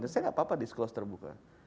saya gak apa apa disklos terbuka